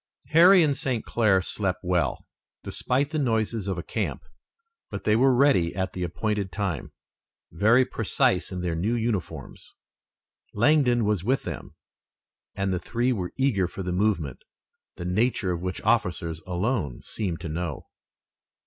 Harry and St. Clair slept well, despite the noises of a camp, but they were ready at the appointed time, very precise in their new uniforms. Langdon was with them and the three were eager for the movement, the nature of which officers alone seemed to know.